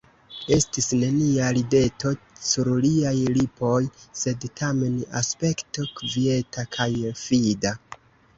Estis nenia rideto sur liaj lipoj, sed tamen aspekto kvieta kaj fida.